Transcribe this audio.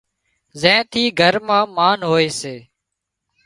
زين ٿي گھر مان مانَ هوئي سي